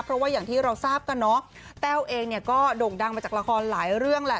เพราะว่าอย่างที่เราทราบกันเนอะแต้วเองเนี่ยก็โด่งดังมาจากละครหลายเรื่องแหละ